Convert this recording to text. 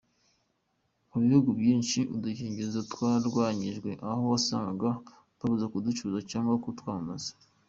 Mu bihugu byinshi udukingirizo twararwanyijwe aho wasangaga babuza kuducuruza cyangwa kutwamamazwa.